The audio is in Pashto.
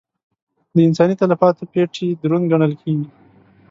د انساني تلفاتو پېټی دروند ګڼل کېږي.